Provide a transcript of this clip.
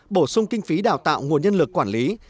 bổ sung kinh phí đào tạo nguồn nhân lực quản lý